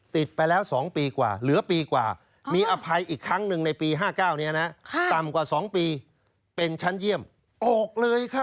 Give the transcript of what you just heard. ติดไปแล้ว๒ปีกว่าเหลือปีกว่ามีอภัยอีกครั้งหนึ่งในปี๕๙นี้นะต่ำกว่า๒ปีเป็นชั้นเยี่ยมออกเลยค่ะ